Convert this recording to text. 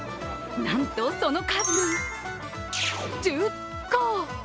なんとその数１０個。